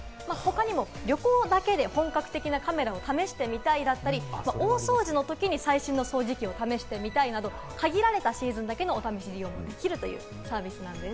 他にも旅行だけで本格的なカメラを試してみたいだったり、大掃除の時に最新の掃除機を試してみたいなど、限られたシーズンだけのお試し利用もできるというサービスなんです。